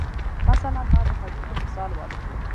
مثلاً ما د هډوکو مثال ورکو.